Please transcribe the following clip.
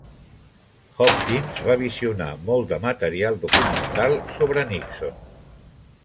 Hopkins va visionar molt de material documental sobre Nixon.